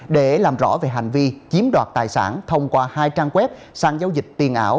để làm rõ về hành vi chiếm đoạt tài sản thông qua hai trang web sang giao dịch tiền ảo